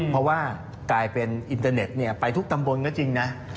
เพราะว่ากลายเป็นอินเตอร์เน็ตไปทุกตำบลก็จริงนะ